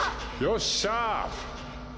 よっしゃ！